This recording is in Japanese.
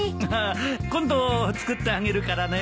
今度作ってあげるからね。